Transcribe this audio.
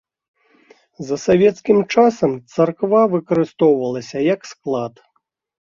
За савецкім часам царква выкарыстоўвалася як склад.